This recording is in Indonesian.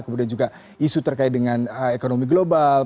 kemudian juga isu terkait dengan ekonomi global